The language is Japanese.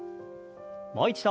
もう一度。